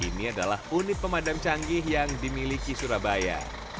ini adalah unit pemadam canggih yang dimiliki surabaya